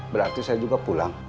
berarti saya juga pulang